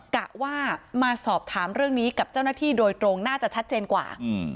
กะว่ามาสอบถามเรื่องนี้กับเจ้าหน้าที่โดยตรงน่าจะชัดเจนกว่า